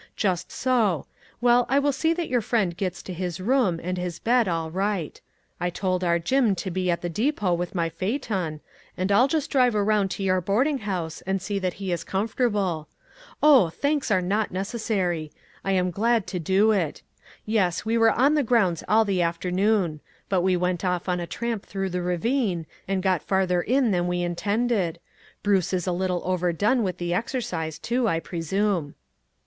Just so. Well, I will see that your friend gets to his room and his bed all right. I told our Jim to be at A VICTIM OF CIRCUMSTANCE. 147 the depot with my phaeton, and I'll just drive around to your boarding house and see that he is comfortable. Oh ! thanks are not necessary ; I am glad to do it. Yes, we were on the grounds all the after noon; but we went off on a tramp through the ravine, and got farther in than we in tended. Bruce is a little overdone with the exercise, too, I presume."